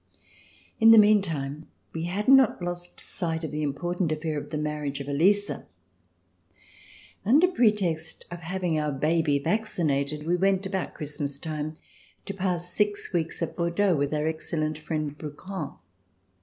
In the meantime, we had not lost sight of the im portant affair of the marriage of Elisa. Under pretext of having our baby vaccinated, we went, about Christmas time, to pass six weeks at Bordeaux with our excellent friend Brouquens.